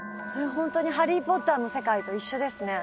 ホントに「ハリー・ポッター」の世界と一緒ですね